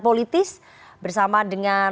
politis bersama dengan